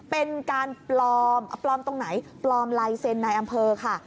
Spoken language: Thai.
เป็นการปลอมปลอมตรงไหนปลอมลายเซ็นต์ในอำเภอค่ะ